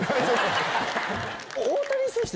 大谷選手